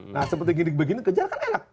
nah seperti gini begini kejar kan enak